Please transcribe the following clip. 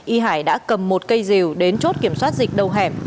y hải đã cầm một cây rìu đến chốt kiểm soát dịch đầu hẻm